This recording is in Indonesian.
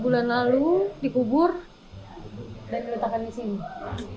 bulan lalu dikubur dan diletakkan di sini